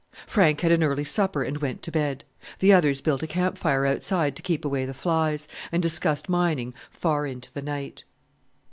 Frank had an early supper and went to bed. The others built a camp fire outside to keep away the flies, and discussed mining far into the night.